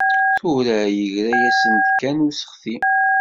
Tura yeggra-asen-d kan useɣti.